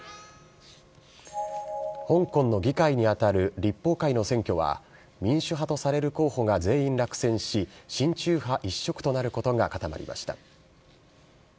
香港の議会に当たる立法会の選挙は、民主派とされる候補が全員落選し、親中派一色となることが固まりました。